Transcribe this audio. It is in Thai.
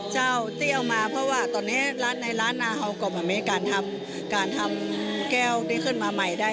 เจ้าติดเอามาเพราะว่าตอนนี้ร้านในร้านน้าฮอล์กบมีการทำแก้วได้ขึ้นมาใหม่ได้